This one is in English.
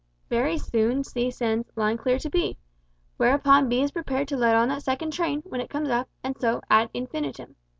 Very soon C sends "Line clear" to B, whereupon B is prepared to let on that second train, when it comes up, and so on ad infinitum.